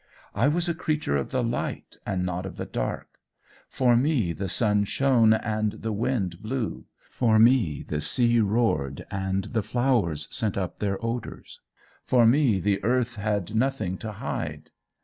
I was a creature of the light and not of the dark. For me the sun shone and the wind blew; for me the sea roared and the flowers sent up their odours. For me the earth had nothing to hide.